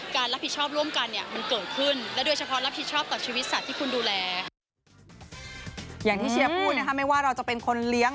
ถ้าไม่ว่าเราจะเป็นคนเลี้ยง